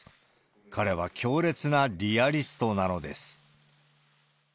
彼は強烈なリアリストなのです。